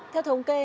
theo thống kê